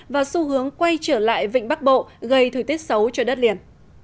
và xu hướng quay trở lại vịnh bắc bộ gây thời tiết xấu cho đất liền